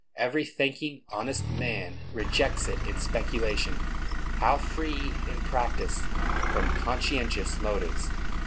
Every thinking, honest man rejects it in speculation. How free in practice from conscientious motives!